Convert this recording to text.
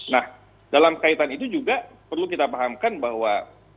nah dalam kaitan itu juga perlu kita pahamkan bahwa